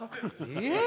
えっ？